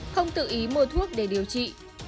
không tự ý mua thuốc để điều trị